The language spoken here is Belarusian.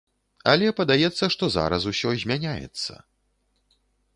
Але падаецца, што зараз усё змяняецца.